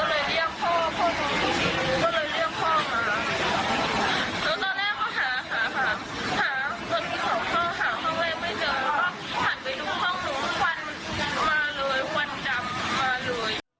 หาตอนที่สองพ่อหาห้องแรกไม่เจอแล้วก็หันไปทุกห้องนู้นควันมาเลย